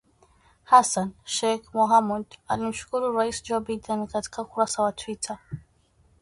Hassan Sheikh Mohamud alimshukuru Rais Joe Biden katika ukurasa wa Twitter,